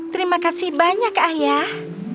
terima kasih banyak ayah